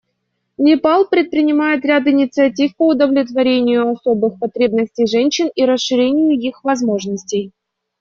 Непал предпринимает ряд инициатив по удовлетворению особых потребностей женщин и расширению их возможностей.